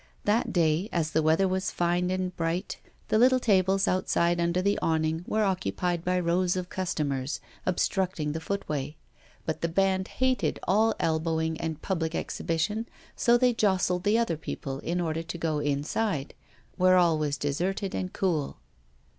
That day, as the weather was fine and bright, the little tables outside under the awning were occupied by rows of customers, obstructing the footway. But the band hated all elbowing and public exhibition, so they jostled the other people in order to go inside, where all was deserted and cool.